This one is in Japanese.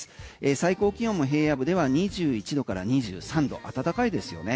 最高気温も平野部では２１度から２３度、暖かいですよね。